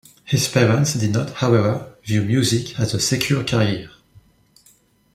His parents did not, however, view music as a secure career.